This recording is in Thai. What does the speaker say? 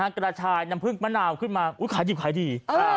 กระชายน้ำผึ้งมะนาวขึ้นมาขายดิบขายดี